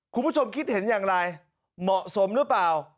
คุณผู้ชมคิดเห็นอย่างไรเหมาะสมหรือเปล่า